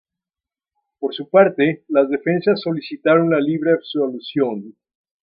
Por su parte, las defensas solicitaron la libre absolución.